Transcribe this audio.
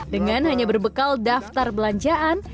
dengan hanya berbekal daftar belanjaan